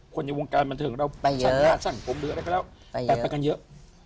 คนในวงการบรรเทิงเราไปเยอะไปไปกันเยอะ